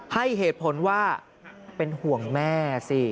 ให้เหตุผลว่าเป็นห่วงแม่สิ